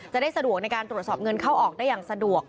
จะได้สะดวกในการตรวจสอบเงินเข้าออกได้อย่างสะดวก